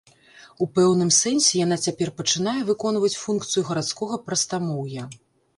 У пэўным сэнсе яна цяпер пачынае выконваць функцыю гарадскога прастамоўя.